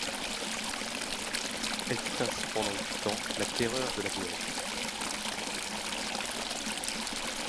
Elle fut ainsi pendant huit ans la terreur de la Bohême.